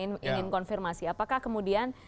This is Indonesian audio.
ingin konfirmasi apakah kemudian